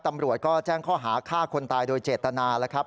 ตำรวจก็แจ้งข้อหาฆ่าคนตายโดยเจตนาแล้วครับ